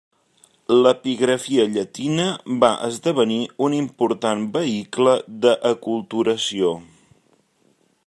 L'epigrafia llatina va esdevenir un important vehicle d'aculturació.